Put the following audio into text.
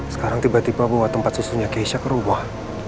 sekarang tiba tiba bawa tempat susunya keisha ke rumah